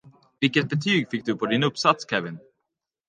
Vilket betyg fick du på din uppsats, Kevin?